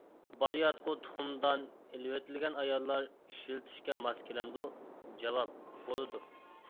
بالىياتقۇ تۇخۇمدان ئېلىۋېتىلگەن ئاياللار ئىشلىتىشكە ماس كېلەمدۇ؟ جاۋاب: بولىدۇ.